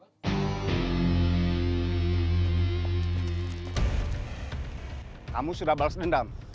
kamu sudah balas dendam